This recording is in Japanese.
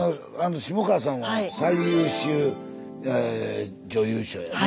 下川さんは最優秀女優賞やね。